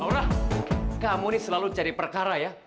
laura kamu ini selalu cari perkara ya